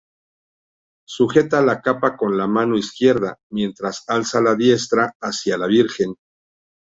Sujeta la capa con la mano izquierda, mientras alza la diestra hacia la Virgen.